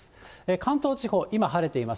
関東地方、今、晴れています。